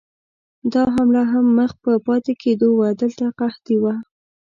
دا حمله هم مخ په پاتې کېدو وه، دلته قحطي وه.